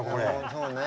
そうね。